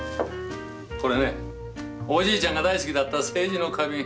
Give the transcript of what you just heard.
これねおじいちゃんが大好きだった青磁の花瓶。